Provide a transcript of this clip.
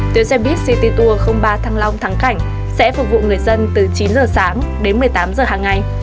tuyến xe buýt city tour ba thăng long thắng cảnh sẽ phục vụ người dân từ chín giờ sáng đến một mươi tám giờ hàng ngày